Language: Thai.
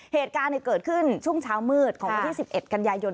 เหตุการณ์เกิดขึ้นช่วงเช้ามืดของวันที่๑๑กันยายน